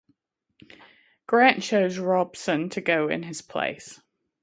Grant chose Robeson to go in his place.